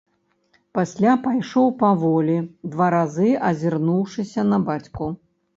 Пасля пайшоў паволі, два разы азірнуўшыся на бацьку.